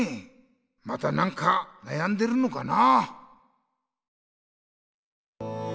また何かなやんでるのかな？